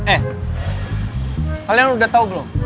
eh kalian udah tahu belum